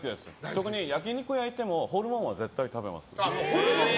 特に焼き肉屋行ってもホルモンは絶対食べます。